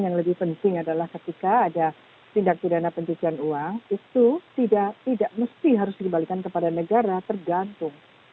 yang lebih penting adalah ketika ada tindak pidana pencucian uang itu tidak mesti harus dikembalikan kepada negara tergantung